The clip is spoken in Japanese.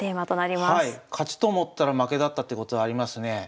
勝ちと思ったら負けだったってことありますね。